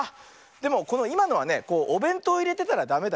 でもこのいまのはねおべんとういれてたらダメだね。